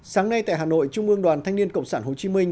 sáng nay tại hà nội trung ương đoàn thanh niên cộng sản hồ chí minh